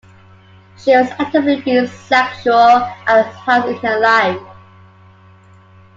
She was actively bisexual at times in her life.